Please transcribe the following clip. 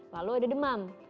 lalu ada demam